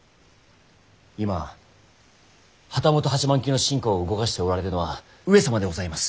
今旗本８万騎の臣下を動かしておられるのは上様でございます。